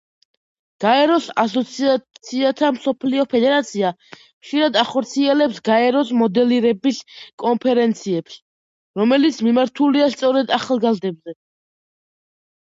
გაეროს ასოციაციათა მსოფლიო ფედერაცია ხშირად ახორციელებს გაეროს მოდელირების კონფერენციებს, რომელიც მიმართულია სწორედ ახალგაზრდებზე.